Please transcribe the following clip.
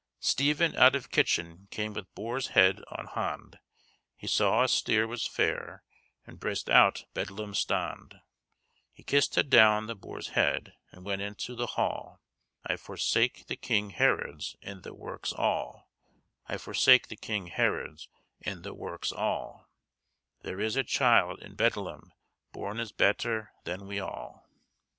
"Stevyn out of kechon cam w^{t} boris hed on honde, He saw a sterr was fayr and bryzt ou^{r} bedlem stondæ, He kyst a down the bors hed and went into the halle, I forsak the kyng herowds and thi werks alle, I forsak the kyng herowds and thi werks alle, Ther is a chyd in bedlem born is bet^{r} than we alle."